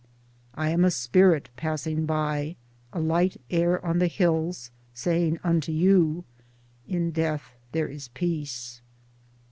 I am a spirit passing by, a light air on the hills saying unto you : In death there is peace.